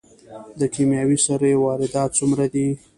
د کیمیاوي سرې واردات څومره دي؟